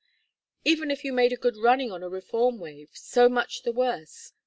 Even if you made a good running on a reform wave, so much the worse.